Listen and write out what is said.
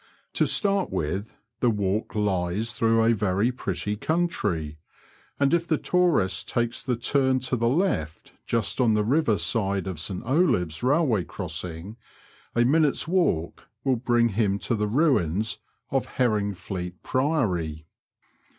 To start with, the walk lies through a very pretty country, and if the tourist takes the turn to the left just on the river side of St Olaves railway crossing, a minute's walk will bring him to the ruins of Herringfleet Priory.